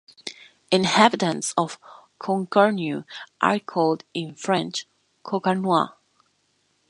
Inhabitants of Concarneau are called in French "Concarnois".